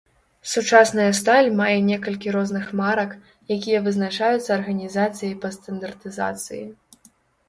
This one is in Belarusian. Сучасная сталь мае некалькі розных марак, якія вызначаюцца арганізацыяй па стандартызацыі.